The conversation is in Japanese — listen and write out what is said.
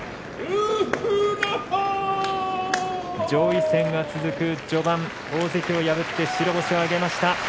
上位戦が続く序盤大関を破って白星を挙げました。